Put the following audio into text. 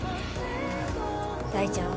大ちゃんは？